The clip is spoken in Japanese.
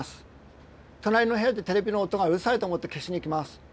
隣の部屋でテレビの音がうるさいと思って消しに行きます。